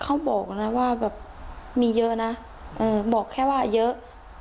เขาบอกนะว่าแบบมีเยอะนะบอกแค่ว่าเยอะ